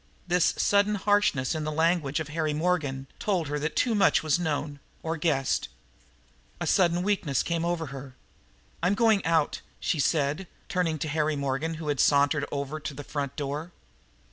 This sudden harshness in the language of Harry Morgan told her that too much was known, or guessed. A sudden weakness came over her. "I'm going out," she said, turning to Harry Morgan who had sauntered over to the front door.